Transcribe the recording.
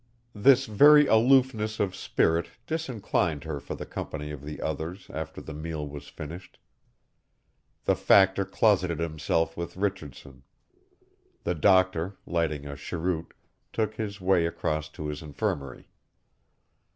This very aloofness of spirit disinclined her for the company of the others after the meal was finished. The Factor closeted himself with Richardson. The doctor, lighting a cheroot, took his way across to his infirmary.